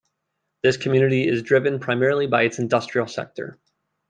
This community is driven primarily by its industrial sector.